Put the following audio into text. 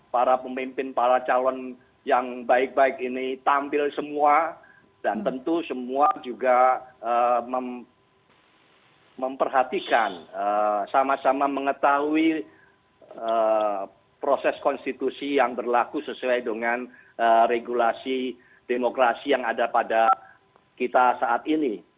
para pemimpin para calon yang baik baik ini tampil semua dan tentu semua juga memperhatikan sama sama mengetahui proses konstitusi yang berlaku sesuai dengan regulasi demokrasi yang ada pada kita saat ini